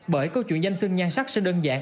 bởi câu chuyện danh sưng nhan sắc sẽ đơn giản